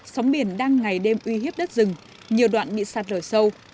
sóng biển đang ngày đêm uy hiếp đất rừng nhiều đoạn bị sạt lở sâu